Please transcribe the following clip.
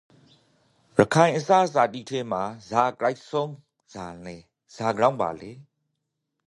ရခိုင်အစားအစာတိထဲမှာဇာအကြိုက်ဆုံး ဇာလေ? ဇာကြောင့်ဘာလဲ?